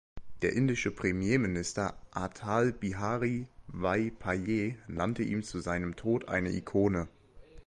Der indische Premierminister Atal Bihari Vajpayee nannte ihn zu seinem Tod eine Ikone.